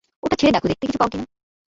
ওটা ছেড়ে দেখো দেখতে কিছু পাও কিনা।